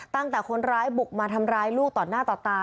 ตั้งแต่คนร้ายบุกมาทำร้ายลูกต่อหน้าต่อตา